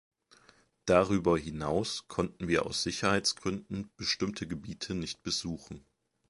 Darüber hinaus konnten wir aus Sicherheitsgründen bestimmte Gebiete nicht besuchen.